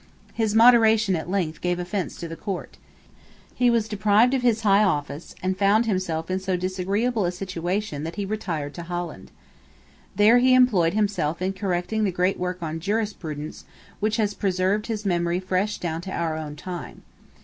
His moderation at length gave offence to the Court. He was deprived of his high office, and found himself in so disagreeable a situation that he retired to Holland. There he employed himself in correcting the great work on jurisprudence which has preserved his memory fresh down to our own time.